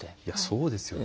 そうですよね。